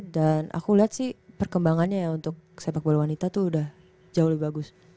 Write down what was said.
dan aku liat sih perkembangannya untuk sepak bola wanita tuh udah jauh lebih bagus